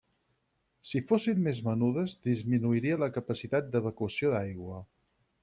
Si fossin més menudes, disminuiria la capacitat d'evacuació d'aigua.